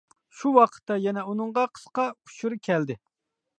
شۇ ۋاقىتتا يەنە ئۇنىڭغا قىسقا ئۇچۇر كەلدى.